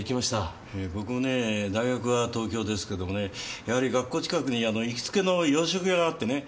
僕もね大学は東京ですけどもねやはり学校近くに行きつけの洋食屋があってね。